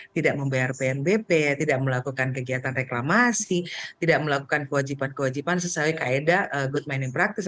tidak membayar pnbp tidak melakukan kegiatan reklamasi tidak melakukan kewajiban kewajiban sesuai kaedah good moning practice